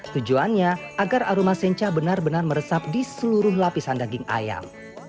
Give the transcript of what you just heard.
tujuannya agar aroma sencha benar benar meresap di seluruh lapisan daging ayam